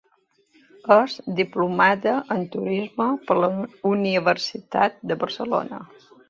És diplomada en turisme per la Universitat de Barcelona.